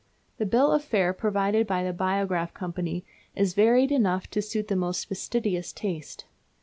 The bill of fare provided by the Biograph Company is varied enough to suit the most fastidious taste.